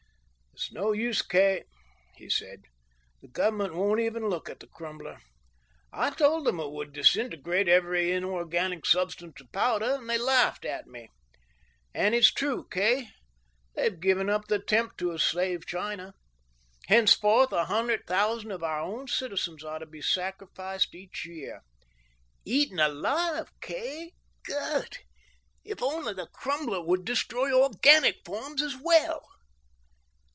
"It's no use, Kay," he said. "The Government won't even look at the Crumbler. I told them it would disintegrate every inorganic substance to powder, and they laughed at me. And it's true, Kay: they've given up the attempt to enslave China. Henceforward a hundred thousand of our own citizens are to be sacrificed each year. Eaten alive, Kay! God, if only the Crumbler would destroy organic forms as well!"